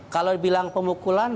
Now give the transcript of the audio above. kalau dibilang pemukulan